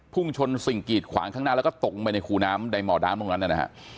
พุ่งชนสิ่งกีดขวางข้างหน้าแล้วก็ตกลงไปในคูน้ำในบ่อน้ำตรงนั้นนะฮะ